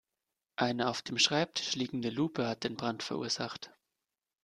Eine auf dem Schreibtisch liegende Lupe hat den Brand verursacht.